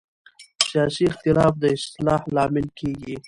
سیاسي اختلاف د اصلاح لامل کېږي